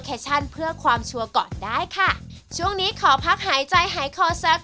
ครับผมขอบคุณครับ